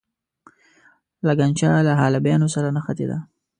لګنچه له حالبینو سره نښتې ده.